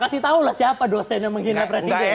pasti tahu lah siapa dosen yang menghina presiden